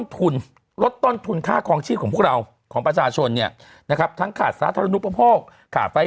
ที่กระทรวงการคังก็เป็นประเด็นกันอยู่พอสมควร